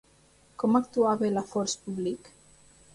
Com actuava la Force Publique?